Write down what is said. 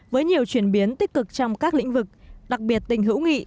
với nhiều chuyển biến tích cực trong các lĩnh vực đặc biệt tình hữu nghị